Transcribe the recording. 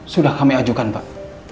sudah kami ajukan pak